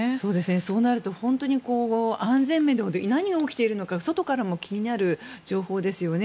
そうなると本当に安全面で何が起きているのか外からも気になる情報ですよね。